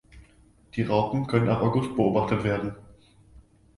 Die Raupen können ab August beobachtet werden.